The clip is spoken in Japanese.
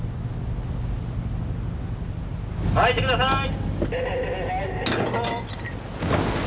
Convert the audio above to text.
巻いてください！